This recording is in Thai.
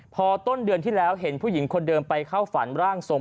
พอต้นเดือนที่แล้วเห็นผู้หญิงคนเดิมไปเข้าฝันร่างทรง